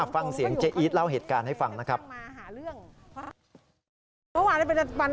ฟังเสียงเจ๊อีทเล่าเหตุการณ์ให้ฟังนะครับ